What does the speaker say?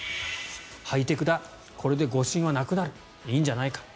ハイテクだこれで誤審はなくなるいいんじゃないか。